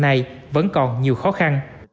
này vẫn còn nhiều khó khăn